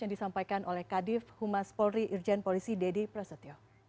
yang disampaikan oleh kadif humas polri